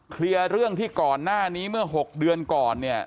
เคลียร์เรื่องที่ก่อนหน้านี้เมื่อ๖เดือนก่อนเนี่ย